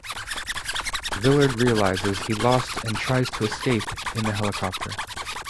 Villard realizes he's lost and tries to escape in the helicopter.